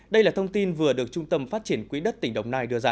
đây là thông tin vừa được trung tâm phát triển quỹ đất tỉnh đồng nai đưa ra